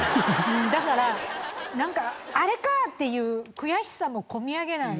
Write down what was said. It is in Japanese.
だからなんかあれか！っていう悔しさもこみ上げない。